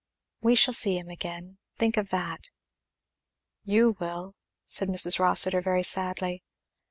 "We shall see him again. Think of that." "You will," said Mrs. Rossitur very sadly.